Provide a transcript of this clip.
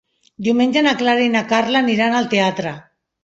Diumenge na Clara i na Carla aniran al teatre.